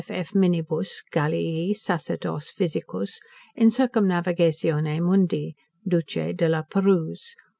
F.F. minnibus Galliae, Sacerdos, Physicus, in circumnavigatione mundi, Duce De La Perrouse.